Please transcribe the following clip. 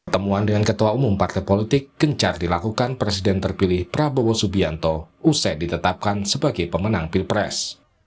temuan dengan ketua umum partai politik gencar dilakukan presiden terpilih prabowo subianto usai ditetapkan sebagai pemenang pilpres